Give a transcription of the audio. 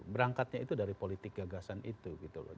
berangkatnya itu dari politik gagasan itu gitu loh